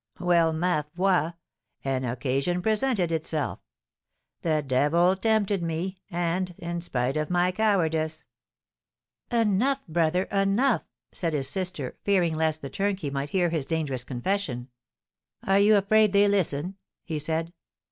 Well, ma foi! an occasion presented itself; the devil tempted me, and, in spite of my cowardice " "Enough, brother, enough!" said his sister, fearing lest the turnkey might hear his dangerous confession. "Are you afraid they listen?" he said.